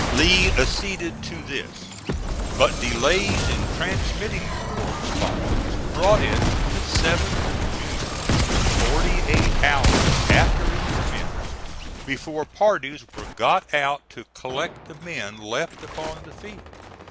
Lee acceded to this; but delays in transmitting the correspondence brought it to the 7th of June forty eight hours after it commenced before parties were got out to collect the men left upon the field.